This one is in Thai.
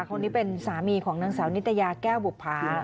คนนี้เป็นสามีของนางสาวนิตยาแก้วบุภา